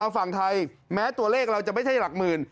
ฝั่งไทยแม้ตัวเลขเราจะไม่ใช่หลักหมื่น